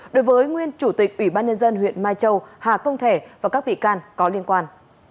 đối với nguyên chủ tịch ủy ban nhân dân huyện mai châu hà công thể và các bị can có liên quan